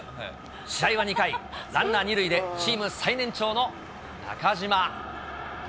試合は２回、ランナー２塁でチーム最年長の中島。